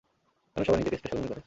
কেন সবাই নিজেকে স্পেশাল মনে করে?